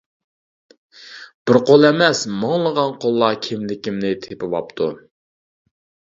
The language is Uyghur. بىر قول ئەمەس، مىڭلىغان قوللار كىملىكىمنى تېپىۋاپتۇ.